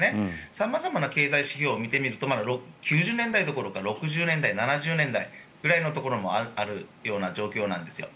様々な経済指標を見てみると９０年代どころか６０年代、７０年代くらいのところもあるような状況なんですよ。